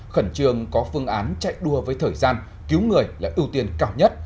khẩn trương có phương án chạy đua với thời gian cứu người là ưu tiên cao nhất